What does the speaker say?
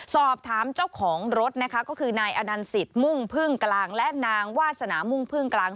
สอบถามเจ้าของรถนะคะก็คือนายอนันสิตมุ่งพึ่งกลางและนางวาสนามุ่งพึ่งกลาง